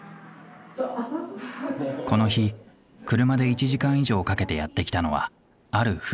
この日車で１時間以上かけてやって来たのはある夫婦。